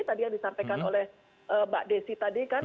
tadi yang disampaikan oleh mbak desi tadi kan